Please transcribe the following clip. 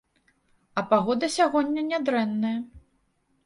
А пагода сягоння нядрэнная.